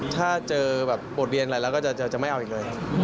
ถ้าเจอแบบบทเรียนอะไรแล้วก็จะไม่เอาอีกเลย